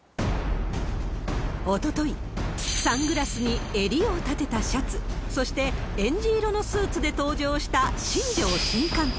おととい、サングラスに襟を立てたシャツ、そして、えんじ色のスーツで登場した、新庄新監督。